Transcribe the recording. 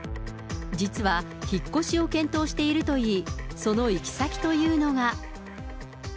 実は、引っ越しを検討しているといい、その行き先というのが。